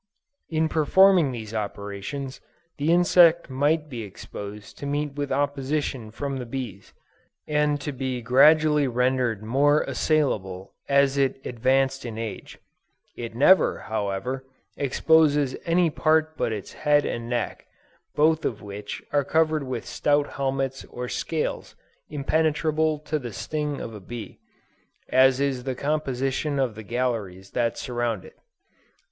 In performing these operations, the insect might be expected to meet with opposition from the bees, and to be gradually rendered more assailable as it advanced in age. It never, however, exposes any part but its head and neck, both of which are covered with stout helmets or scales impenetrable to the sting of a bee, as is the composition of the galleries that surround it."